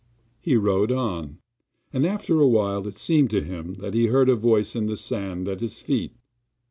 He rode on, and after a while it seemed to him that he heard a voice in the sand at his feet.